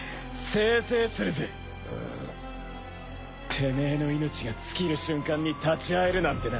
テメエの命が尽きる瞬間に立ち会えるなんてな。